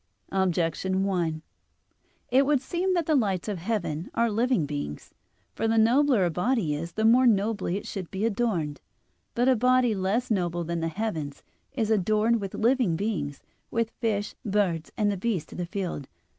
Objection 1: It would seem that the lights of heaven are living beings. For the nobler a body is, the more nobly it should be adorned. But a body less noble than the heaven, is adorned with living beings, with fish, birds, and the beasts of the field.